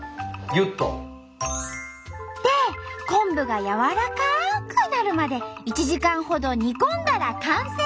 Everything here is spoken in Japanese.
で昆布が軟らかくなるまで１時間ほど煮込んだら完成！